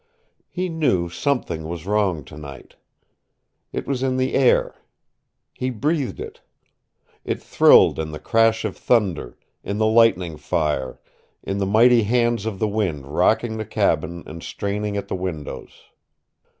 He knew something was wrong tonight. It was in the air. He breathed it. It thrilled in the crash of thunder, in the lightning fire, in the mighty hands of the wind rocking the cabin and straining at the windows.